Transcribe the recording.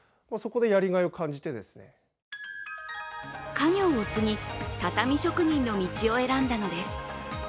家業を継ぎ、畳職人の道を選んだのです。